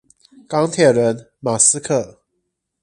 鋼鐵人馬斯克